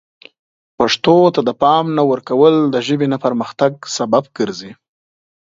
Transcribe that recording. پښتو ته د پام نه ورکول د ژبې نه پرمختګ سبب ګرځي.